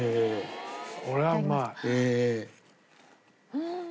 うん！